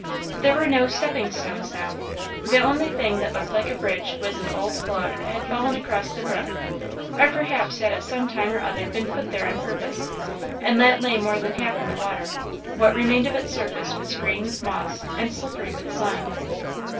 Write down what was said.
There were no stepping stones now. The only thing that looked like a bridge was an old log that had fallen across the brook, or perhaps had at some time or other been put there on purpose; and that lay more than half in the water; what remained of its surface was green with moss and slippery with slime.